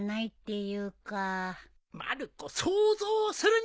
まる子想像するんじゃ。